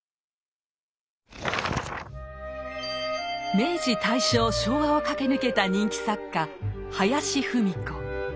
明治・大正・昭和を駆け抜けた人気作家林芙美子。